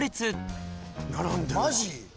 マジ？